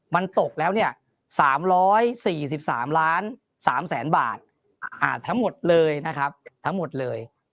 มันตกแล้ว๓๔๓๓๓๓๐๐๐บาททั้งหมดเลย